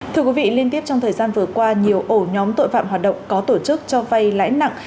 thưa quý vị liên tiếp trong thời gian vừa qua nhiều ổ nhóm tội phạm hoạt động có tổ chức cho vay lãi nặng